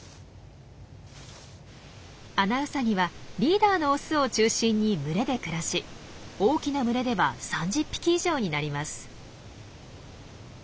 アナウサギはリーダーのオスを中心に群れで暮らし大きな群れでは３０匹以上になります。